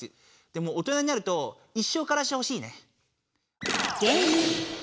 でも大人になると一生カラシ欲しいね。